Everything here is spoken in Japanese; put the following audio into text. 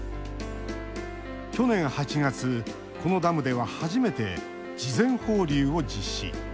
去年８月、このダムでは初めて事前放流を実施。